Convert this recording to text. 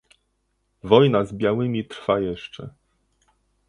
"Wojna z białymi trwa jeszcze“."